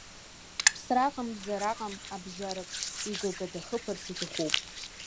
Ԥсраҟам, бзараҟам, абжьарак, игага дахыԥарц иҭахуп.